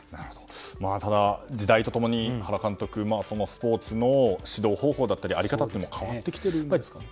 ただ時代と共に、原監督スポーツの指導方法や在り方も変わってきているんですかね。